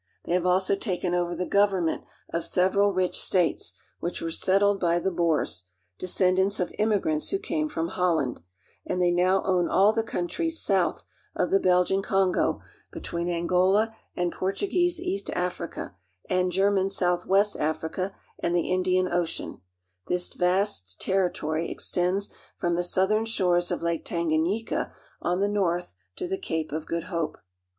I They have also taken over the government of several rich States which were settled by the Boers, descendants of immigrants who came from Holland; and they now own I all the vast country south of the Kongo Independent State between Angola and Portuguese East Africa and German Southwest Africa and the Indian Ocean, extending from the southern shores of Lake Tanganyika to the Cape of Good Hope.